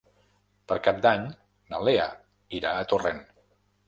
Per Cap d'Any na Lea irà a Torrent.